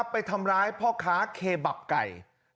ไปทำร้ายพ่อค้าเคบับไก่